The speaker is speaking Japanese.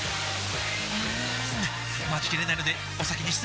うーん待ちきれないのでお先に失礼！